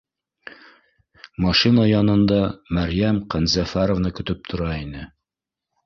Машина янында Мәрйәм Ҡәнзәфәровна көтөп тора ине